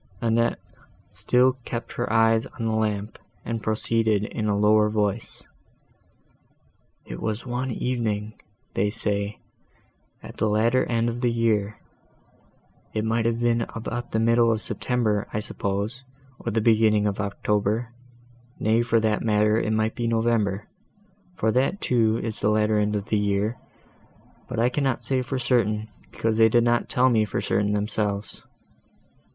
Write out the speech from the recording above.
Annette still kept her eyes on the lamp, and proceeded in a lower voice. "It was one evening, they say, at the latter end of the year, it might be about the middle of September, I suppose, or the beginning of October; nay, for that matter, it might be November, for that, too, is the latter end of the year, but that I cannot say for certain, because they did not tell me for certain themselves.